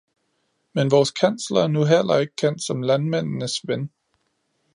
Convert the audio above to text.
Men vores kansler er nu heller ikke kendt som landmændenes ven!